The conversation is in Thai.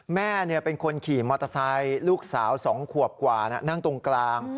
แม่เป็นคนขี่มอเตอร์ไซค์ลูกสาว๒ขวบกว่านั่งตรงกลาง